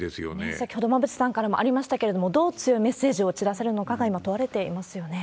先ほど馬渕さんからもありましたけれども、どう強いメッセージを打ち出せるのかが今問われていますよね。